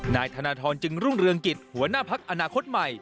นายธนทรจึงรุ่งเรืองกิจหัวหน้าพักอนาคตใหม่